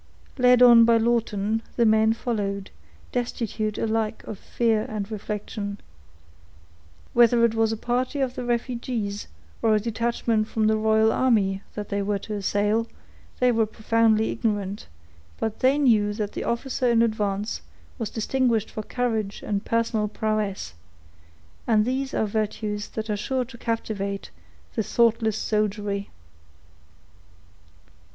Led on by Lawton, the men followed, destitute alike of fear and reflection. Whether it was a party of the refugees, or a detachment from the royal army, that they were to assail, they were profoundly ignorant; but they knew that the officer in advance was distinguished for courage and personal prowess; and these are virtues that are sure to captivate the thoughtless soldiery.